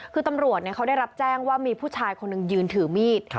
คือตำรวจเขาได้รับแจ้งว่ามีผู้ชายคนหนึ่งยืนถือมีด